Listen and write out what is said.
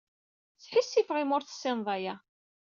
Sḥissifeɣ imi ur tessineḍ aya.